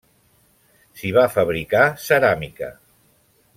S'hi va fabricar ceràmica.